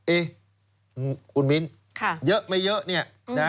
เอ๊ะคุณมิ้นเยอะไม่เยอะเนี่ยนะ